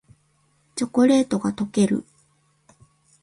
チョコレートがとける